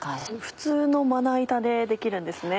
普通のまな板でできるんですね。